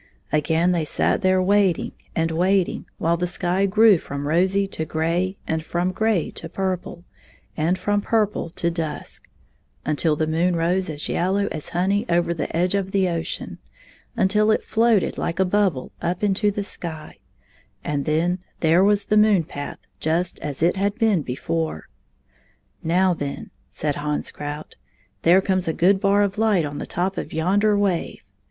Again they sat there waiting and waiting while the sky grew fi'om rosy to gray, and fi om gray to purple, and fi om purple to dusk ; until the moon rose as yellow as honey over the edge of the ocean ; until it floated Kke a bubble up into the sky — then there was the moon path just as it had been before. "Now, then," said Hans Krout, "there comes a good bar of light on the top of yonder wave.